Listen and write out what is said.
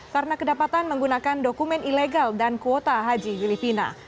karena kedapatan menggunakan dokumen ilegal dan kuota haji filipina